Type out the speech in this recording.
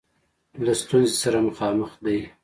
له ستونزه سره مخامخ دی.